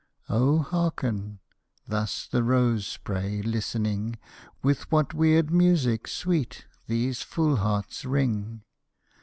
"O hearken!" thus the rose spray, listening, "With what weird music sweet these full hearts ring!